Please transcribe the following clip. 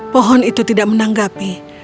pohon itu tidak menanggapi